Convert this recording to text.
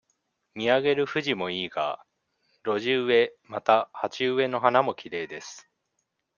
見上げるフジもいいが、路地植え、また、鉢植えの花もきれいです。